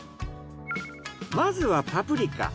まずはパプリカ。